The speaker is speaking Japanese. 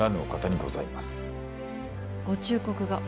ご忠告が。